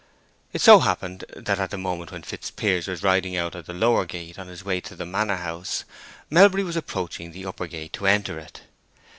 It so happened that at the moment when Fitzpiers was riding out at the lower gate on his way to the Manor House, Melbury was approaching the upper gate to enter it.